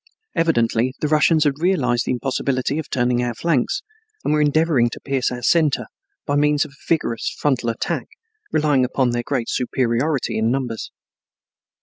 Evidently the Russians had realized the impossibility of turning our flanks and were endeavoring to pierce our center by means of a vigorous frontal attack, relying upon their great superiority in numbers.